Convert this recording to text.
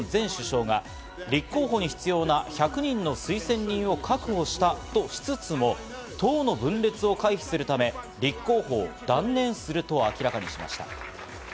イギリスの次の首相になる保守党党首を選ぶ選挙でジョンソン前首相が立候補に必要な１００人の推薦人を確保したとしつつも、党の分裂を回避するため立候補を断念すると明らかにしました。